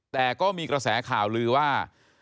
แต่ก็มีกระแสข่าวลือว่า